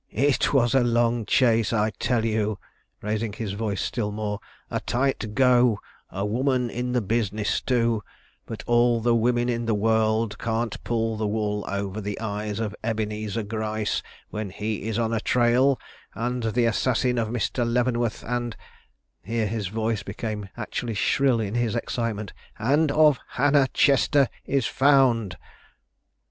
"It was a long chase, I tell you," raising his voice still more; "a tight go; a woman in the business too; but all the women in the world can't pull the wool over the eyes of Ebenezer Gryce when he is on a trail; and the assassin of Mr. Leavenworth and" here his voice became actually shrill in his excitement "and of Hannah Chester is found.